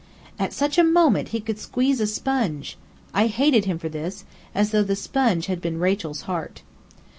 At such a moment he could squeeze a sponge! I hated him for this, as though the sponge had been Rachel's heart.